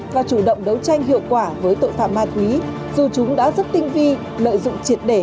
và chủ động đấu tranh hiệu quả với tội phạm ma túy dù chúng đã rất tinh vi lợi dụng triệt để